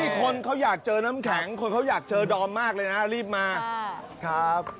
คนเขาอยากเจอน้ำแข็งคนเขาอยากเจอดอมมากเลยนะรีบมาครับ